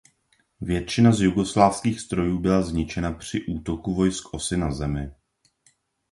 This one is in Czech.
Většina z jugoslávských strojů byla zničena při útoku vojsk Osy na zemi.